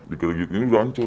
dikira kira gini udah ancur